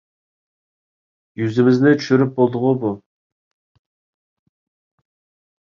يۈزىمىزنى چۈشۈرۈپ بولدىغۇ بۇ.